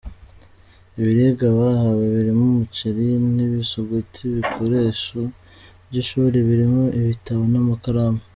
Ibiribwa bahawe birimo umuceri, n’ibisuguti, n’ibikoresho by’ishuri birimo ibitabo n’amakaramu.